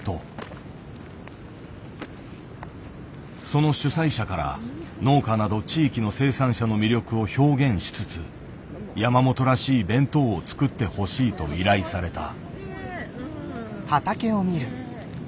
その主催者から農家など地域の生産者の魅力を表現しつつ山本らしい弁当を作ってほしいと依頼された。